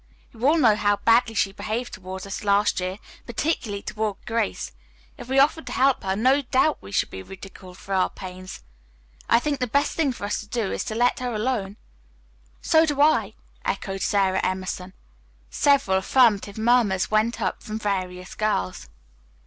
You all know how badly she behaved toward us last year, particularly toward Grace. If we offered her help, no doubt we should be ridiculed for our pains. I think the best thing for us to do is to let her alone." "So do I," echoed Sarah Emerson. Several affirmative murmurs went up from various girls.